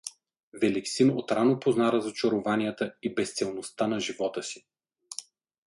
Великсин от рано позна разочарованията и безцелността на живота си.